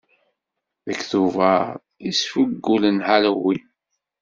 Deg tuber i sfugulen Halloween.